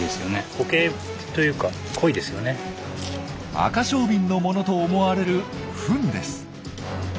アカショウビンのものと思われるフンです。